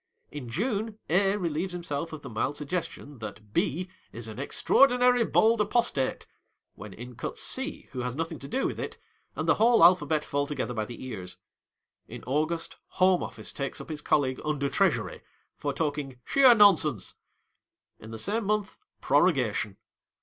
In June, A relieves himself of the mild suggestion that B is " an extraordinary bold apostate :" when in cuts C, who has nothing to do with it, and the whole alphabet fall together by the ears. In August, Home Office takes up his colleague Under Treasury, for talking " sheer nonsense." In the same month, prorogation.